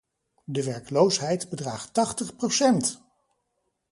De werkloosheid bedraagt tachtig procent!